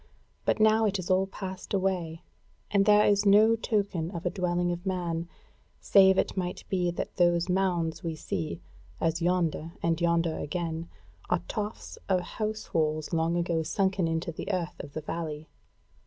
But now it is all passed away, and there is no token of a dwelling of man, save it might be that those mounds we see, as yonder, and yonder again, are tofts of house walls long ago sunken into the earth of the valley.